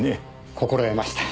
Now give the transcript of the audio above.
心得ました。